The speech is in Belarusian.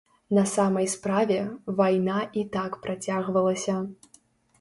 На самай справе, вайна і так працягвалася.